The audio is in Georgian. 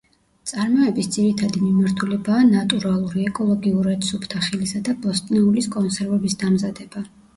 წარმოების ძირითადი მიმართულებაა ნატურალური, ეკოლოგიურად სუფთა ხილისა და ბოსტნეულის კონსერვების დამზადება.